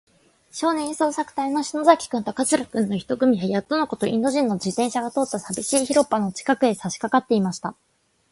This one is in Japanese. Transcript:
少年捜索隊そうさくたいの篠崎君と桂君の一組は、やっとのこと、インド人の自動車が通ったさびしい広っぱの近くへ、さしかかっていました。